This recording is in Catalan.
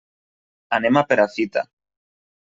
Anem a Perafita.